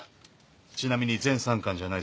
ちなみに全３巻じゃないぞ。